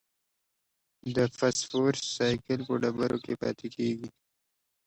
د فوسفورس سائیکل په ډبرو کې پاتې کېږي.